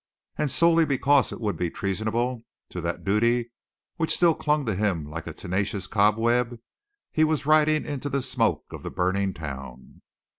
And solely because it would be treasonable to that duty which still clung to him like a tenacious cobweb, he was riding into the smoke of the burning town.